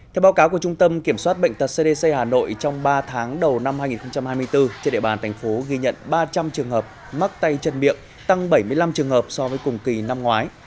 theo báo cáo của trung tâm kiểm soát bệnh tật cdc hà nội trong ba tháng đầu năm hai nghìn hai mươi bốn trên địa bàn thành phố ghi nhận ba trăm linh trường hợp mắc tay chân miệng tăng bảy mươi năm trường hợp so với cùng kỳ năm ngoái